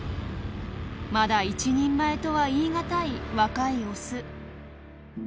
まだ一人前とは言い難い若いオス。